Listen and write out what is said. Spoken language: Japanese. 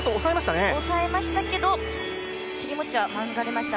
抑えましたけど、尻餅は免れました。